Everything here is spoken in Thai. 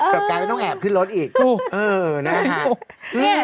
แต่กลายเป็นต้องแอบขึ้นรถอีกเออนะคะ